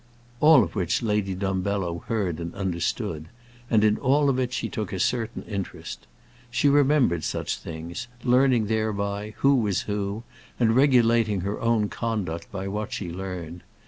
All of which Lady Dumbello heard and understood; and in all of it she took a certain interest. She remembered such things, learning thereby who was who, and regulating her own conduct by what she learned.